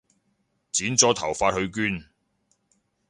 剪咗頭髮去捐